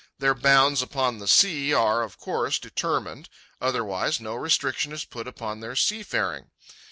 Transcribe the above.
Their bounds upon the sea are, of course, determined: otherwise no restriction is put upon their sea faring.